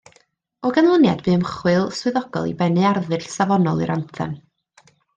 O ganlyniad bu ymchwiliad swyddogol i bennu arddull safonol i'r Anthem.